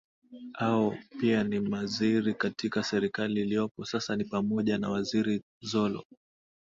ao pia ni maziri katika serikali iliopo sasa ni pamoja na waziri zolo